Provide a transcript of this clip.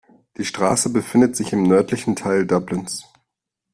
Die Straße befindet sich im nördlichen Teil Dublins.